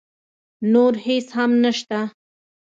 نور هېڅ هم نه شته.